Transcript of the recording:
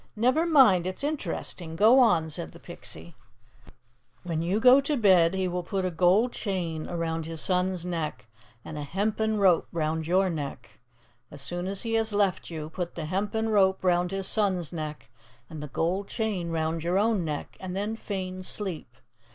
"Never mind. It's interesting. Go on," said the Pixie. "'When you go to bed, he will put a gold chain around his son's neck and a hempen rope round your neck. As soon as he has left you, put the hempen rope round his son's neck and the gold chain round your own neck, and then feign sleep.